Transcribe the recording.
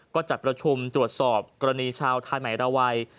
ก็จัดประชุมตรวจสอบกรณีชาวไทยใหม่ราวัย